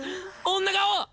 女顔！